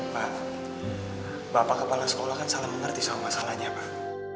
pak bapak kepala sekolah kan salah mengerti soal masalahnya pak